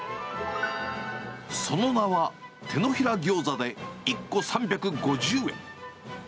その名は、てのひらギョーザで１個３５０円。